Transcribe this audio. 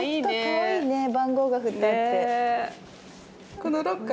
かわいいね番号が振ってあって。